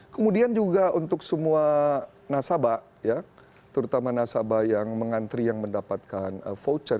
kemudian juga untuk semua nasabah ya terutama nasabah yang mengantri yang mendapatkan voucher